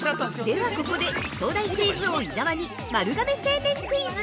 ◆では、ここで東大クイズ王・伊沢に丸亀製麺クイズ。